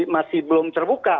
masih belum terbuka